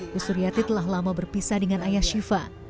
bu suryati telah lama berpisah dengan ayah shiva